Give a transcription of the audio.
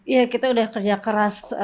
ya kita udah kerja keras